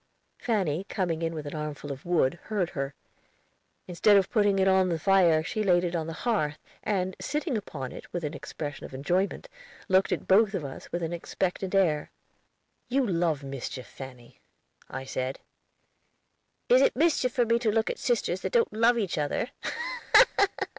Fanny, coming in with an armful of wood, heard her. Instead of putting it on the fire, she laid it on the hearth, and, sitting upon it with an expression of enjoyment, looked at both of us with an expectant air. "You love mischief, Fanny," I said. "Is it mischief for me to look at sisters that don't love each other?"